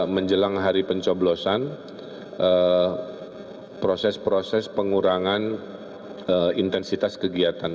menjelang hari pencoblosan proses proses pengurangan intensitas kegiatan